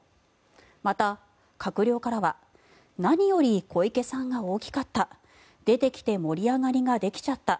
また、閣僚からは何より小池さんが大きかった出てきて盛り上がりができちゃった